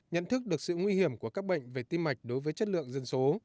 nhận thức được sự nguy hiểm của các bệnh về tim mạch đối với chất lượng dân số